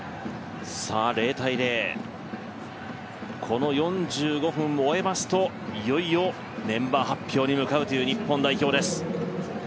０−０、この４５分を追えますといよいよメンバー発表に向かうという日本代表です。